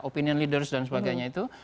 opinion leaders dan sebagainya itu